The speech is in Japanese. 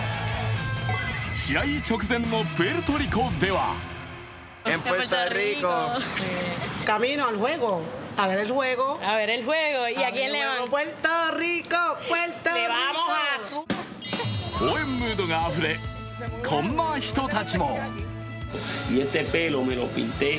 試合直前のプエルトリコでは応援ムードがあふれこんな人たちも。